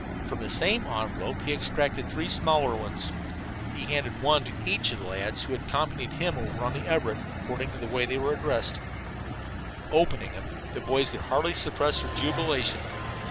From the same envelope he extracted three smaller ones. He handed one to each of the lads who had accompanied him over on the Everett, according to the way they were addressed. Opening them, the boys could hardly suppress their jubilation.